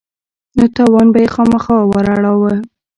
نو تاوان به يې خامخا وراړاوه.